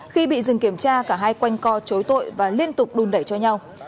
khi bị dừng kiểm tra cả hai quanh co chối tội và liên tục đùn đẩy cho nhau